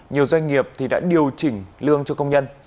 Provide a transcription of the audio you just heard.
nhiều doanh nghiệp đã điều chỉnh lương cho công nhân